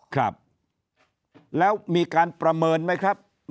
ครับแล้วมีการประเมินไหมครับ